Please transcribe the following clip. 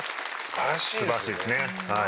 素晴らしいですね。